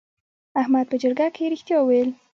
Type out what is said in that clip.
احمد په جرګه کې رښتیا وویل.